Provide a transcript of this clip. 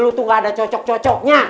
lu tuh gak ada cocok cocoknya